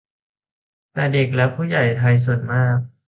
แต่เด็กและผู้ใหญ่ไทยส่วนมาก